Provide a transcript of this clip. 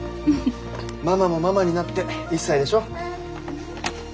ママもママになって１歳でしょ。